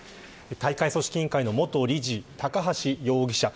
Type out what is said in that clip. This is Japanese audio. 大会組織委員会の元理事高橋容疑者。